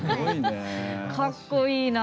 かっこいいな。